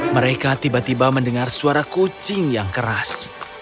mereka tiba tiba mendengar suara kucing yang keras